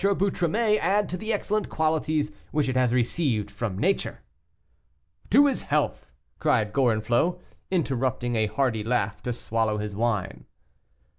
Boutromet add to the excellent qualities which it has received from nature." "To his health," cried Gorenflot, interrupting a hearty laugh to swallow his wine.